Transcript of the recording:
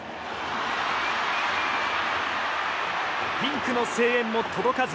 ピンクの声援も届かず。